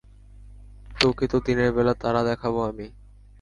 তোকে তো দিনের বেলা তারা দেখাবো আমি।